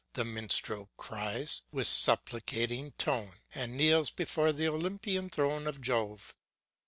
The Minstrel cries, with supplicating tone, And kneels before th'Olympian throne of Jove.